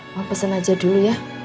mau pesen aja dulu ya